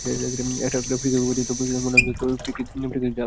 একটা ফ্রি-কিকও পেয়েছেন, তবে মোনায়েম রাজুর এলোমেলো ফ্রি-কিক যায় অনেক বাইরে।